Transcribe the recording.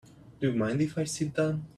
Do you mind if I sit down?